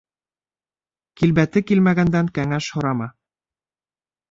Килбәте килмәгәндән кәңәш һорама.